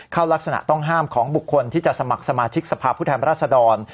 เข้ารักษณะต้องห้ามของบุคคลที่จะสมัครสมาชิกสภาพพุทธแห่งราษดร